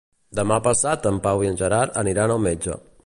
Demà passat en Pau i en Gerard aniran al metge.